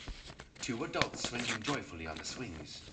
Two adults swinging joyfully on the swings.